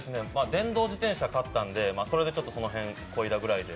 電動自転車買ったんで、その辺、こいだぐらいで。